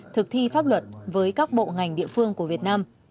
thực thi pháp luật với các bộ ngành địa phương của việt nam